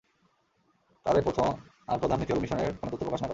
তাদের প্রথম আর প্রধান নীতি হলো মিশনের কোনো তথ্য প্রকাশ না করা।